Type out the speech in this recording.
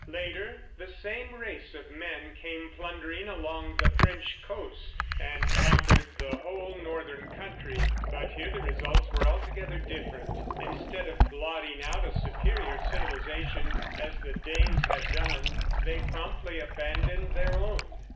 Later the same race of men came plundering along the French coast and conquered the whole northern country; but here the results were altogether different. Instead of blotting out a superior civilization, as the Danes had done, they promptly abandoned their own.